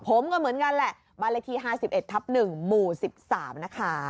ผมก็เหมือนกันแหละบาริธีห้าสิบเอ็ดทับหนึ่งหมู่สิบสามนะคะ